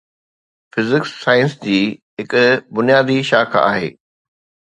physics science جي هڪ بنيادي شاخ آهي